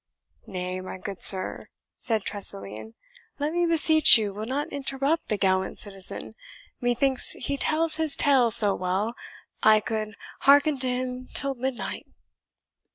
"Nay, my good sir," said Tressilian, "let me beseech you will not interrupt the gallant citizen; methinks he tells his tale so well, I could hearken to him till midnight."